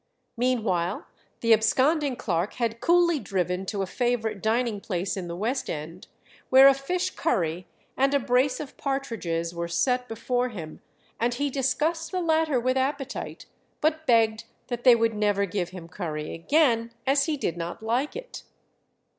Meanwhile the absconding clerk had coolly driven to a favourite dining place in the West End, where a fish curry and a brace of partridges were set before him, and he discussed the latter with appetite, but begged that they would never give him curry again, as he did not like it.